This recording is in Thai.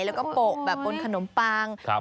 แล้วก็โปะแบบบนขนมปัง